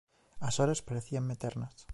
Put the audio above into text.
As horas parecíanme eternas.